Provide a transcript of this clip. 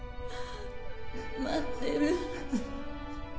待ってる